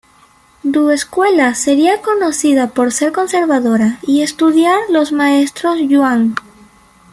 Du escuela sería conocida por ser conservadora y estudiar los maestros Yuan.